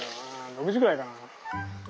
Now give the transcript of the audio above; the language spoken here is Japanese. ６時ぐらいかな？